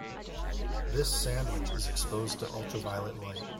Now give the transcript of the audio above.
This sandwich is exposed to ultraviolet light.